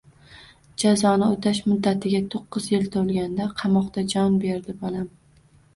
Jazoni o`tash muddatiga to`qqiz yil to`lganda qamoqda jon berdi, bolam